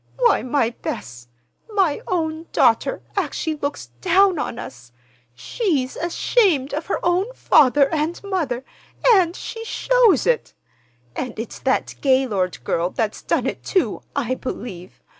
Why, my Bess, my own daughter, actually looks down on us. She's ashamed of her own father and mother—and she shows it. And it's that Gaylord girl that's done it, too, I believe.